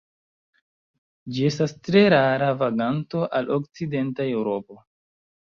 Ĝi estas tre rara vaganto al okcidenta Eŭropo.